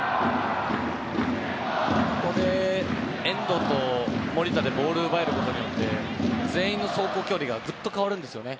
ここで、遠藤と守田でボールを奪えることによって全員の走行距離がぐっと変わるんですよね。